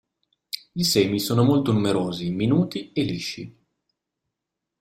I semi sono molto numerosi, minuti e lisci.